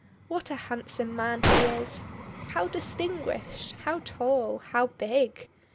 What a handsome man he is! How distinguished! How tall! How big!